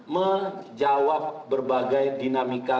menjawab berbagai dinamika